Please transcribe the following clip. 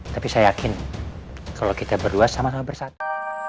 tapi saya yakin kalau kita berdua sama sama bersatu